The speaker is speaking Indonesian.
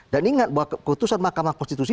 ingat bahwa keputusan mahkamah konstitusi